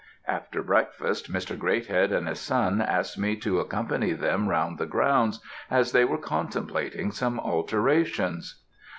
After breakfast Mr. Greathead and his son asked me to accompany them round the grounds, as they were contemplating some alterations.